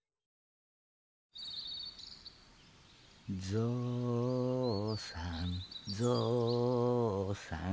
「ぞうさんぞうさん」